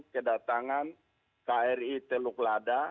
kedatangan kri teluk lada